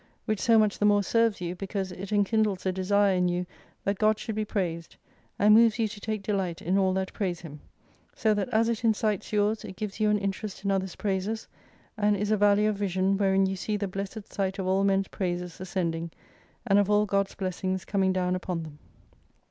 Which so much the more serves you, because it enkindles a desire in you that God should be praised, and moves you to take delight in all that praise Him. So that as it incites yours, it gives you an interest in others' praises : and is a valley of vision, wherein you see the Blessed Sight of all men's praises ascending, and of all God's blessings coming down upon them.